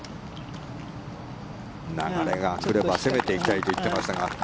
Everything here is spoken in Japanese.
流れが来れば攻めていきたいと言っていましたが。